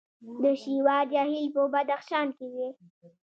د شیوا جهیل په بدخشان کې دی